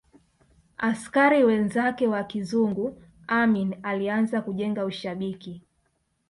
askari wenzake wa kizungu Amin alianza kujenga ushabiki